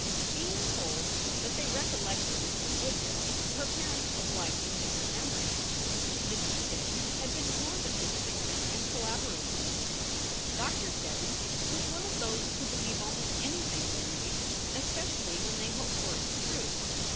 Being told that they recollected Mr. Woodville, her parents obligingly remembered him. Mrs. Steddon had been warned of this fiction and collaborated in it. Doctor Steddon was one of those who believe almost anything they read, es pecially when they hope for its truth.